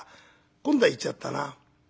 今度は行っちゃったな。